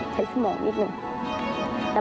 สวัสดีครับ